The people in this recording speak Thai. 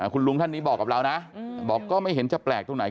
คุณลุงท่านนี้บอกกับเรานะบอกก็ไม่เห็นจะแปลกตรงไหน